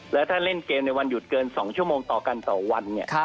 แล้วถ้าเล่นเกมในวันหยุดเกิน๒ชั่วโมงต่อกันต่อวัน